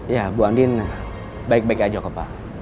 ya bu andin baik baik aja ke pak